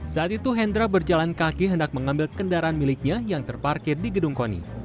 saat itu hendra berjalan kaki hendak mengambil kendaraan miliknya yang terparkir di gedung koni